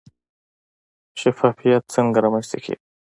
شفافیت څنګه رامنځته کیږي؟